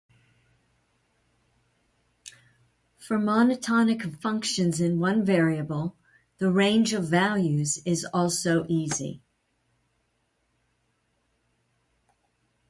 For monotonic functions in one variable, the range of values is also easy.